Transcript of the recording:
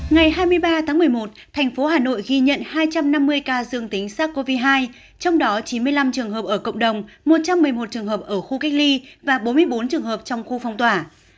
ngày hai mươi ba tháng một mươi một thành phố hà nội ghi nhận hai trăm năm mươi ca dương tính sars cov hai trong đó chín mươi năm trường hợp ở cộng đồng một trăm một mươi một trường hợp ở khu cách ly và bốn mươi bốn trường hợp trong khu phong tỏa